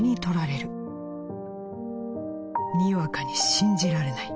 にわかに信じられない。